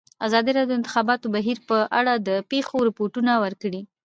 ازادي راډیو د د انتخاباتو بهیر په اړه د پېښو رپوټونه ورکړي.